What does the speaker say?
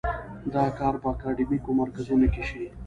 دا کار په اکاډیمیکو مرکزونو کې شي.